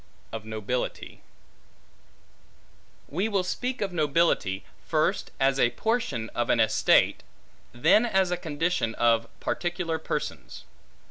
Of Nobility WE WILL speak of nobility, first as a portion of an estate, then as a condition of particular persons.